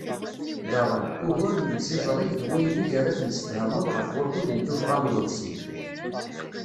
Daɣen, ugur n yimsiẓreg d waydeg ara temsefhameḍ ɣef wakud n tuffɣa n uḍebsi.